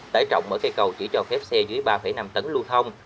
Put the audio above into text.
tải trọng mở cây cầu chỉ cho phép xe dưới ba năm tấn lưu thông